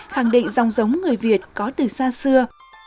khẳng định dòng giống người việt có từ xa xưa